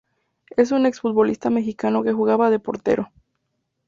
Es un ex-futbolista mexicano que jugaba de portero..